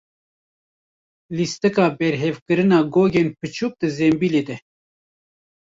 Lîstika berhevkirina gogên biçûk di zembîlê de.